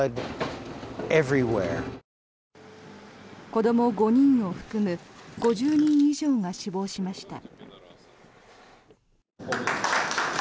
子ども５人を含む５０人以上が死亡しました。